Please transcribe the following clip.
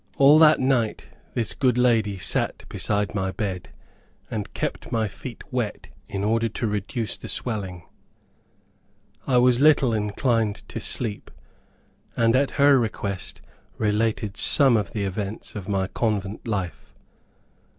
All that night this good lady sat beside my bed, and kept my feet wet in order to reduce the swelling. I was little inclined to sleep, and at her request related some of the events of my convent life.